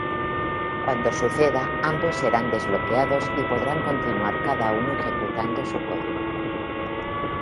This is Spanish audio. Cuando suceda, ambos serán desbloqueados y podrán continuar cada uno ejecutando su código.